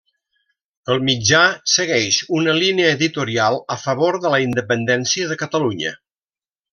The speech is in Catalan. El mitjà segueix una línia editorial a favor de la independència de Catalunya.